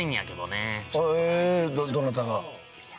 どなたが？